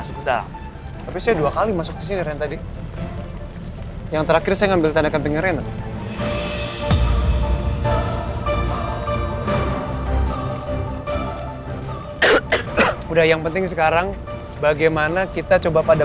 semua kita disini bakal baik baik aja kok tante